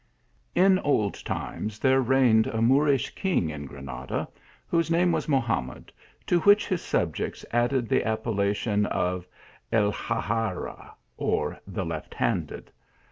IN old times there reigned a Moorish king 1 in Granada, whose name was Mohamed, to which his subjects added the appellation of el Haygari, or " the left handed."